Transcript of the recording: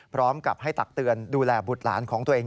พร้อมกับให้ตักเตือนดูแลบุตรหลานของตัวเอง